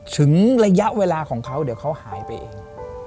ถึงระยะเวลาของเขาเดี๋ยวเขาหายไปเอง